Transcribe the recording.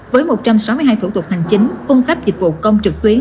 với một trăm sáu mươi hai thủ tục hành chính cung cấp dịch vụ công trực tuyến